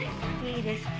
いいですか。